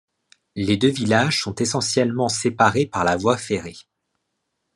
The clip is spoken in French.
Les deux villages sont essentiellement séparés par la voie ferrée.